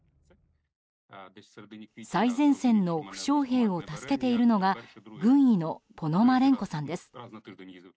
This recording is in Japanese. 最前線の負傷兵を助けているのが軍医のポノマレンコさんです。